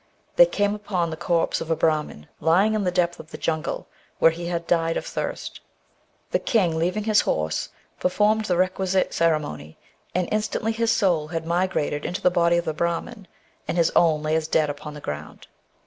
They came upon the corpse of a Brahmin lying in the depth of the jungle, where he had died of thirst. The king, leaving his horse, performed the requisite ceremony, and instantly his soul had migrated into the body of the Brahmin, and his own lay as dead upon the ground.